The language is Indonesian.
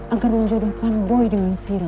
agar menjonohkan boy dengan sila